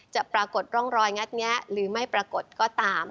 ปรากฏร่องรอยงัดแงะหรือไม่ปรากฏก็ตาม